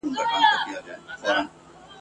چي په ښکار به د مرغانو وو وتلی !.